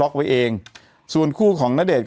นี่คือเอกลักษณ์ของโรงพยาบาลนี้